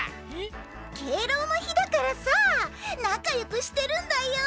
「敬老の日」だからさなかよくしてるんだよ。